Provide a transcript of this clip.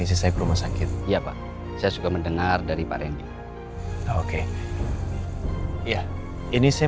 isi saya ke rumah sakit iya pak saya suka mendengar dari pak randy oke ya ini saya